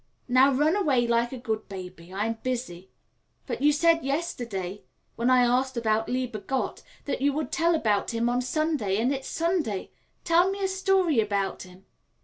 "Now run away like a good baby; I'm busy." "But you said yesterday, when I asked about lieber Gott, that you would tell about Him on Sunday, and it is Sunday. Tell me a story about Him."